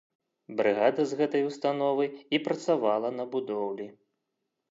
Брыгада з гэтай установы і працавала на будоўлі.